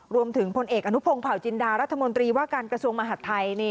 พลเอกอนุพงศ์เผาจินดารัฐมนตรีว่าการกระทรวงมหาดไทย